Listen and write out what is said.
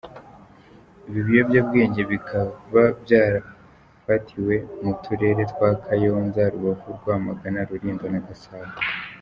Ibi biyobyabwenge bikaba byarafatiwe , mu turere twa, Kayonza, Rubavu, Rwamagana, Rulindo na Gasabo.